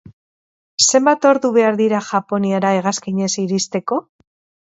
Zenbat ordu behar dira Japoniara hegazkinez iristeko?